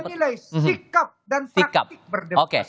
sikap dan praktik berdemokrasi